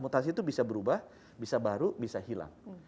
mutasi itu bisa berubah bisa baru bisa hilang